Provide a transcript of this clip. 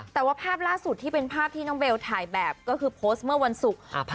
แต่ว่าภาพล่าสุดที่เป็นภาพที่น้องเบลถ่ายแบบก็คือโพสต์เมื่อวันศุกร์